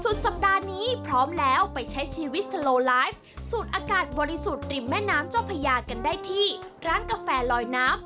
สัปดาห์นี้พร้อมแล้วไปใช้ชีวิตสโลไลฟ์สูดอากาศบริสุทธิ์ริมแม่น้ำเจ้าพญากันได้ที่ร้านกาแฟลอยน้ำ